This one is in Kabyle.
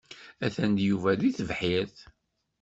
Atan Yuba deg tebḥirt.